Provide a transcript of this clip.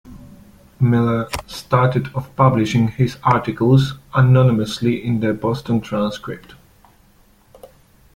Miller started off publishing his articles anonymously in the "Boston Transcript".